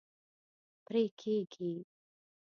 پرې کیږي